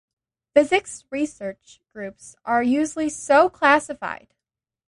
Physics research groups are usually so classified.